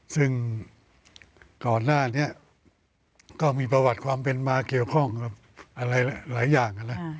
ซึ่งก่อนหน้านี้ก็มีประวัติความเป็นมาเกี่ยวข้องกับอะไรหลายอย่างนะ